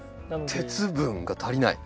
鉄分が足りない？